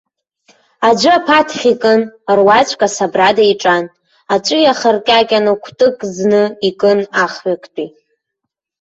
Аӡәы аԥаҭхь икын, руаӡәк асабрада иҿан, аҵәы иахаркьакьаны, кәтык ӡны икын ахҩыктәи.